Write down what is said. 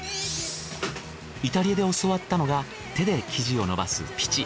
イタリアで教わったのが手で生地を伸ばすピチ。